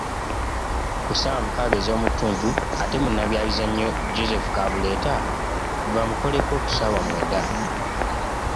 Ku ssaawa mukaaga ez'omu ttuntu ate Munnabyamizannyo Joseph Kabuleta baamukoleko ku ssaawa mwenda .